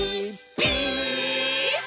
ピース！」